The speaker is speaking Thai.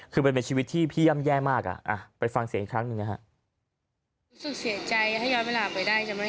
คือมันเป็นชีวิตที่พี่ย่ำแย่มากอ่ะไปฟังเสียงครั้งหนึ่งนะฮะ